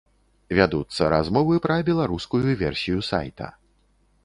Вядуцца размовы пра беларускую версію сайта.